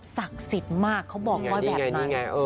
สิทธิ์มากเขาบอกว่าแบบนั้น